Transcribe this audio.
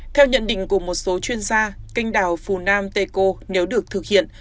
theo nhận định của một số chuyên gia cành đào phunam tecco nếu được thực hiện